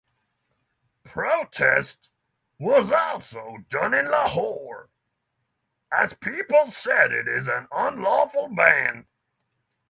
Protest was also done in Lahore as people said it is an unlawful ban.